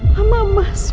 mama masuk rumah sakit jiwa